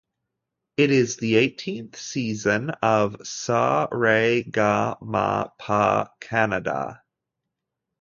It is the eighteenth season of Sa Re Ga Ma Pa Kannada.